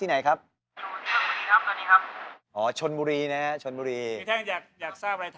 อ๋อยังไม่ซ้อนไงที่ไหนครับครับ